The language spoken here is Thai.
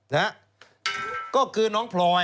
นะฮะก็คือน้องพลอย